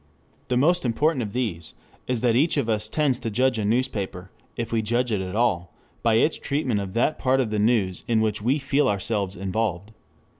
The most important of these is that each of us tends to judge a newspaper, if we judge it at all, by its treatment of that part of the news in which we feel ourselves involved.